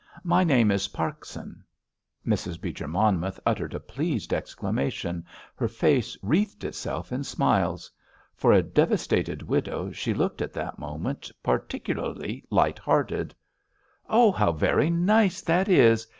"My name is Parkson." Mrs. Beecher Monmouth uttered a pleased exclamation; her face wreathed itself in smiles. For a devastated widow she looked at that moment particularly light hearted. "Oh, how very nice that is.